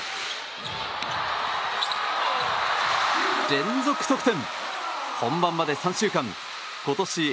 連続得点！